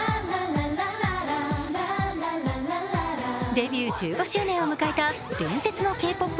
デビュー１５周年を迎えた伝説のＫ−ＰＯＰ